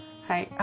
はい。